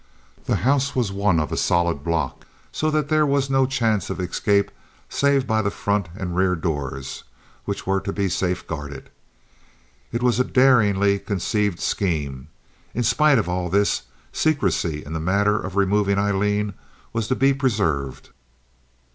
The house was one of a solid block, so that there was no chance of escape save by the front and rear doors, which were to be safe guarded. It was a daringly conceived scheme. In spite of all this, secrecy in the matter of removing Aileen was to be preserved.